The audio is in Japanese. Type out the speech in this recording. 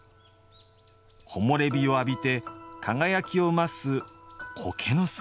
木漏れ日を浴びて輝きを増す苔の姿。